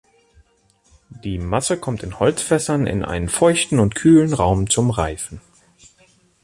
Die Masse kommt in Holzfässern in einen feuchten und kühlen Raum zum Reifen.